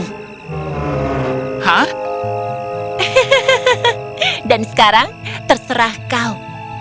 hah dan sekarang terserah kau